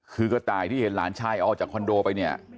คือกระต่ายที่เห็นหลานชายออกจากคอนโดไปเนี่ย